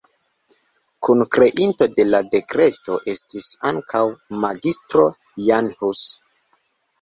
Kunkreinto de la dekreto estis ankaŭ Magistro Jan Hus.